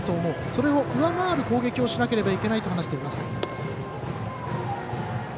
それを上回る攻撃をしないといけないと話しています。